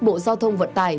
bộ giao thông vận tài